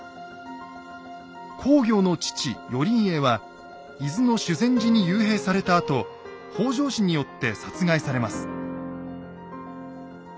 公暁の父・頼家は伊豆の修善寺に幽閉されたあと北条氏によって殺害されます。